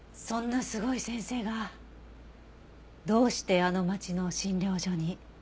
そんなすごい先生がどうしてあの町の診療所に？